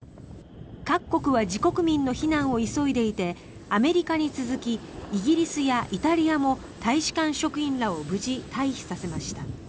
各国は自国民の避難を急いでいてアメリカに続きイギリスやイタリアも大使館職員らを無事、退避させました。